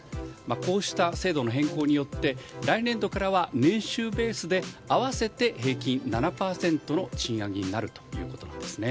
こうした制度の変更によって来年度からは年収ベースで合わせて平均７％の賃上げになるということなんです。